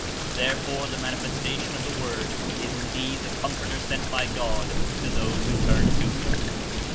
Therefore the Manifestation of the Word is indeed the Comforter sent by God to those who turn to him.